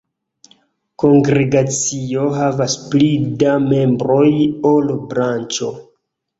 Kongregacio havas pli da membroj ol branĉo.